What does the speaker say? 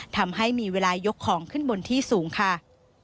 ทำให้มีเวลายกของขึ้นบนที่สูงค่ะ